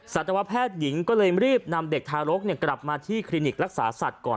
สัตวแพทย์หญิงก็เลยรีบนำเด็กทารกกลับมาที่คลินิกรักษาสัตว์ก่อน